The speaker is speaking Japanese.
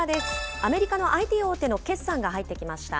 アメリカのＩＴ大手の決算が入ってきました。